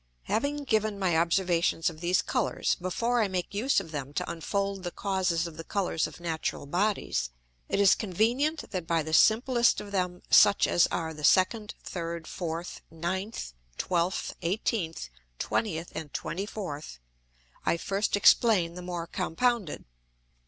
_ Having given my Observations of these Colours, before I make use of them to unfold the Causes of the Colours of natural Bodies, it is convenient that by the simplest of them, such as are the 2d, 3d, 4th, 9th, 12th, 18th, 20th, and 24th, I first explain the more compounded.